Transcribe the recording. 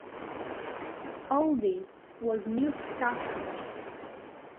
All this was new stuff to me.